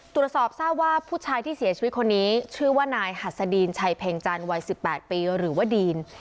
ตรวจสอบทราบว่าผู้ชายที่เสียชีวิตคนนี้ชื่อว่านายหัสดีนชัยเพ็งจันทร์วัย๑๘ปีหรือว่าดีน